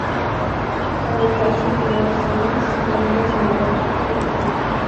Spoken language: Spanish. Cuando Tyson tenía dos años su familia se mudó a Liverpool.